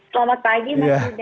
selamat pagi mas yuda